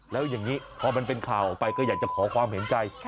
แล้วอย่างนี้พอมันเป็นข่าวออกไปก็อยากจะขอความเห็นใจ